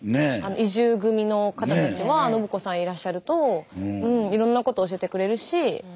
移住組の方たちは信子さんいらっしゃるといろんなこと教えてくれるし。